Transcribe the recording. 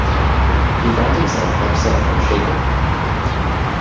He found himself upset and shaken.